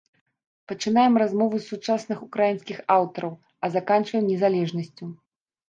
Пачынаем размову з сучасных украінскіх аўтараў, а заканчваем незалежнасцю.